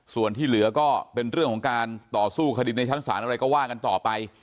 ส่วนที่เหลือก็เป็นเรื่องของการต่อสู้คดีในชั้นศาลอะไรก็ว่ากันต่อไป